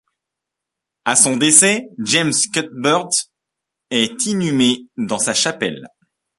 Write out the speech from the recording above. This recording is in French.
À son décès, James Cuthbert est inhumé dans sa chapelle.